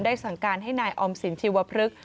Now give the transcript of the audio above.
สั่งการให้นายออมสินชีวพฤกษ์